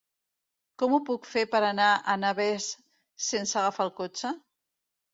Com ho puc fer per anar a Navès sense agafar el cotxe?